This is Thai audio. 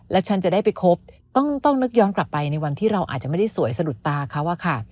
และฉันจะได้ไปคบต้องนึกย้อนกลับไปในวันที่เราอาจจะไม่ได้สวยสะดุดตาเขาอะค่ะ